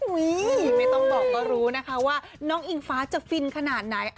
ไม่ต้องบอกก็รู้นะคะว่าน้องอิงฟ้าจะฟินขนาดไหน